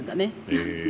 へえ。